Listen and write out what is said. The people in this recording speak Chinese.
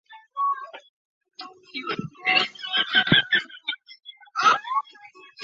青岛西海岸通用机场是一座位于中国青岛市黄岛区红石崖街道的在建通用机场。